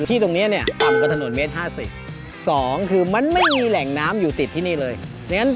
ที่ตรงนี้อำกฤษถนนเมตร๕๐